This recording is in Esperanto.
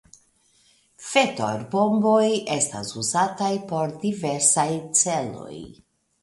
Fetorbomboj estas uzataj por diversaj celoj.